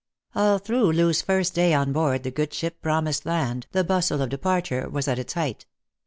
Ail through Loo's first day on board the good ship Promised Land the bustle of departure was at its height.